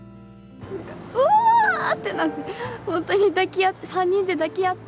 うわーってなって、本当に抱き合って、３人で抱き合って。